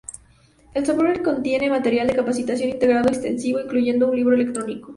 El software contiene material de capacitación integrado extensivo, incluyendo un libro electrónico.